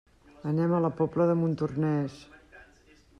Anem a la Pobla de Montornès.